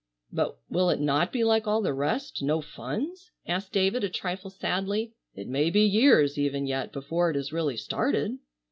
"But will it not be like all the rest, no funds?" asked David a trifle sadly. "It may be years even yet before it is really started."